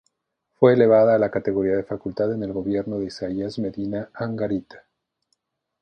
Fue elevada a la categoría de Facultad en el gobierno de Isaías Medina Angarita.